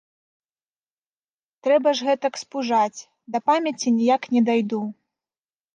Трэба ж гэтак спужаць, да памяці ніяк не дайду.